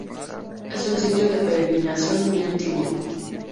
Es un sitio de peregrinación muy antiguo.